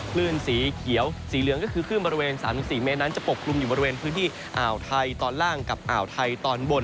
คลื่นสีเขียวสีเหลืองก็คือคลื่นบริเวณ๓๔เมตรนั้นจะปกกลุ่มอยู่บริเวณพื้นที่อ่าวไทยตอนล่างกับอ่าวไทยตอนบน